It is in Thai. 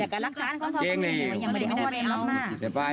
และหลักฐานคงแผ่งเลย